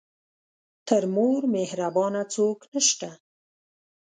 تر مور مهربانه څوک نه شته .